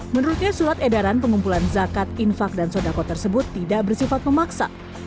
menurutnya surat edaran pengumpulan zakat infak dan sodako tersebut tidak bersifat memaksa